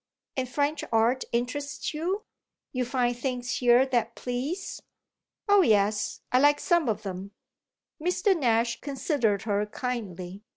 "And French art interests you? You find things here that please?" "Oh yes, I like some of them." Mr. Nash considered her kindly.